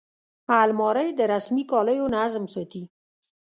الماري د رسمي کالیو نظم ساتي